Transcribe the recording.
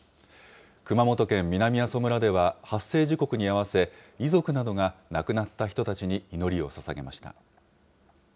熊本県南阿蘇村では発生時刻に合わせ、遺族などが亡くなった人たちに祈りをささげました。